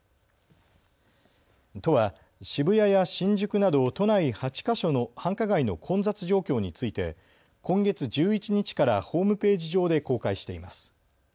都は渋谷や新宿など都内８か所の繁華街の混雑状況について今月１１日からホームページ上で公開しています。